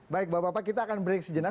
baik bapak bapak kita akan break sejenak